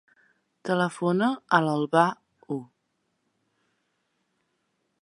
Telefona a l'Albà Hu.